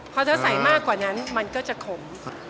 พอจะใส่มากกว่านั้นมันก็จะขม